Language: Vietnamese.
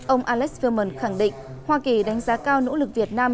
ông alex filmon khẳng định hoa kỳ đánh giá cao nỗ lực việt nam